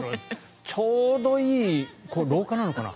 ちょうどいい廊下なのかな